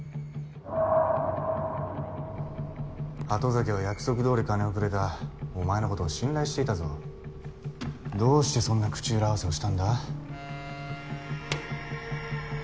鳩崎は約束通り金をくれたお前のことを信頼していたぞ。どうしてそんな口裏合わせをしたんだ？